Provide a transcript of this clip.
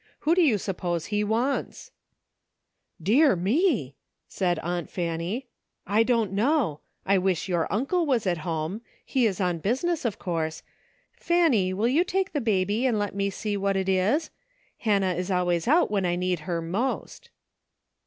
Who do you suppose he wants ?" ''Dear me!" said Aunt Fanny, "I don't know. I wish your uncle was at home. He is on business, of course. Fanny, will you take the baby and let me see what it is ? Hannah is always out when I need her most."